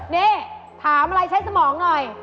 นี่ถามอะไรใช้สมองหน่อย